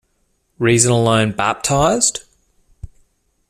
Reason alone baptized?